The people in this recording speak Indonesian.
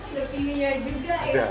ada pininya juga ya pak